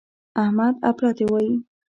احمد اپلاتي وايي.